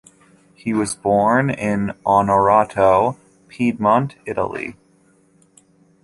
He was born in Onorato, Piedmont, Italy.